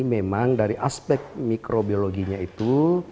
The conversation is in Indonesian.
memang dari aspek mikrobiologinya itu